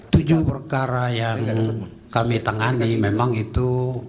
tujuh perkara yang kami tangani memang itu